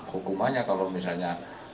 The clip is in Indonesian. hukumannya kalau misalnya